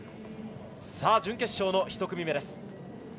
さあ、準決勝の１組目です。